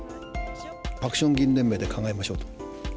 ハクション議員連盟で考えましょうと。